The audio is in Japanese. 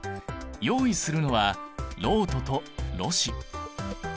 用意するのはろうととろ紙。